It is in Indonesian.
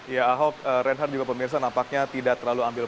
ya ahok renhard juga pemirsa nampaknya tidak terlalu ambil